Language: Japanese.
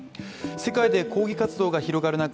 世界で抗議活動が広がる中